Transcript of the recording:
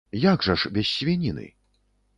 Як жа ж без свініны?